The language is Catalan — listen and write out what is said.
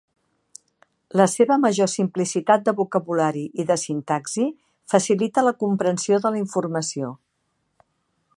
La seva major simplicitat de vocabulari i de sintaxi facilita la comprensió de la informació.